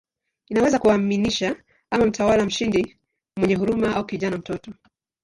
Inaweza kumaanisha ama "mtawala mshindi mwenye huruma" au "kijana, mtoto".